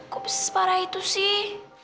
kok separah itu sih